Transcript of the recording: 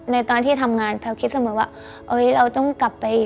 ในตอนที่ทำงานแพวก็คิดเสมอว่า